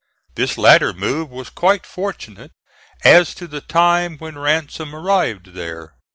This latter move was quite fortunate as to the time when Ransom arrived there.